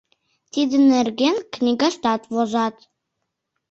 Тидын нерген книгаштат возат.